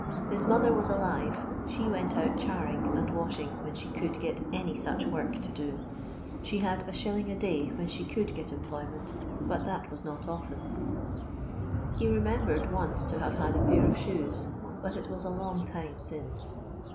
His mother was alire ; she went out charing and washinff when she codd get any such work to do. She kad 1«. a day when she could get em ployment, but that was not often ; he remembered once to hare had a pair of shoes, but it was a long tioM sinbe.